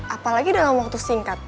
apalagi dalam waktu singkat